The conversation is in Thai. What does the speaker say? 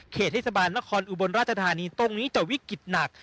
เทศบาลนครอุบลราชธานีตรงนี้จะวิกฤตหนัก